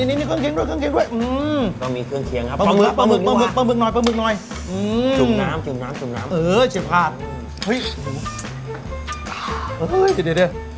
นี่ก็มีเครื่องเคียงปลาเหมือนปลาหมึกปลาหมึกหน่อยเสียงพัก